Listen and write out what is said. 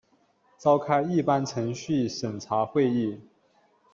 召开一般程序审查会议